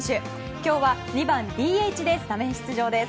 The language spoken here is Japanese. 今日は２番ＤＨでスタメン出場です。